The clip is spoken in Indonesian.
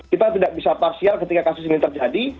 kita tidak bisa parsial ketika kasus ini terjadi